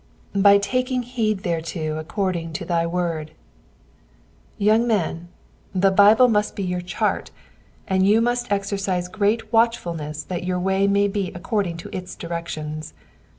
*'J^ taking heed thereto according to thy word,''^ Young man, the Bible roust be your chart, and you must exercise great watchfulness that your way may be according to its directions.